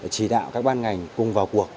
chỉ đạo các ban ngành cùng vào cuộc